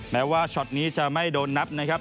แม้ว่าช็อตนี้จะไม่โดนนับนะครับ